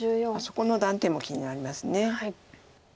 そこの断点も気になります。